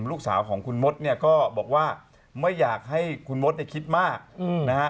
ลูกสาวของคุณมดเนี่ยก็บอกว่าไม่อยากให้คุณมดเนี่ยคิดมากนะฮะ